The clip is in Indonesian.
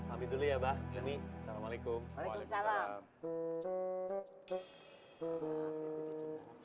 ambil dulu ya abah umi assalamualaikum